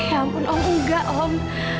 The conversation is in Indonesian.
ya ampun om enggak om